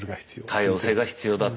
多様性が必要だと。